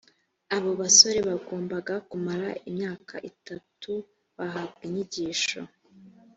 abo basore bagombaga kumara imyaka itatu bahabwa inyigisho